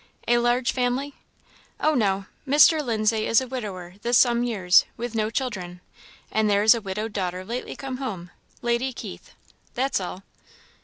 "A large family?" "Oh, no; Mr. Lindsay is a widower this some years, with no children; and there is a widowed daughter lately come home Lady Keith; that's all."